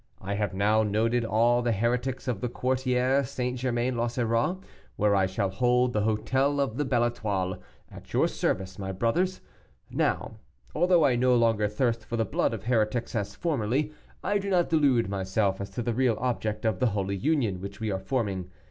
I have now noted all the heretics of the Quartier St. Germain l'Auxerrois, where I shall hold the hotel of the Belle Etoile, at your service, my brothers. Now, although I no longer thirst for the blood of heretics as formerly, I do not delude myself as to the real object of the holy Union which we are forming.